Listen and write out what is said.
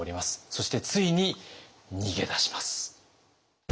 そしてついに逃げ出します。